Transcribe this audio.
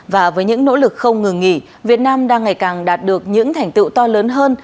và với những nỗ lực không ngừng nghỉ việt nam đang ngày càng đạt được những thành tựu to lớn hơn